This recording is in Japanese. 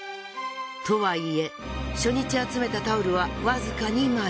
とはいえ初日集めたタオルはわずか２枚。